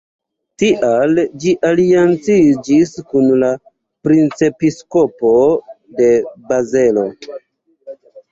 Tial ĝi alianciĝis kun la princepiskopo de Bazelo.